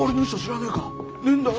ねえんだよ。